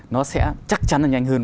nó sẽ chắc chắn là nhanh hơn